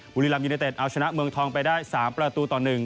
บุรีรัมยูเนเต็ดเอาชนะเมืองทองไปได้๓ประตูต่อ๑